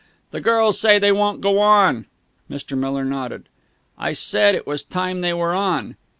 "The girls say they won't go on!" Mr. Miller nodded. "I said it was time they were on."